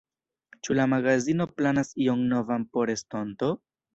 Ĉu la magazino planas ion novan por estonto?